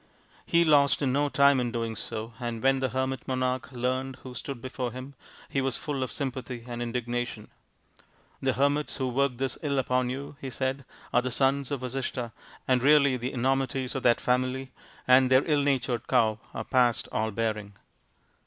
He lost no time in doing so, and when the hermit monarch learnt who stood before him, he was full of sympathy and indignation. " The hermits who worked this ill upon you," he said, " are the sons of Vasishtha, and really the enormities of that family and their ill natured cow are past all bearing.